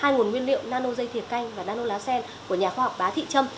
hai nguồn nguyên liệu nano dây thiệt canh và nano lá sen của nhà khoa học bá thị trâm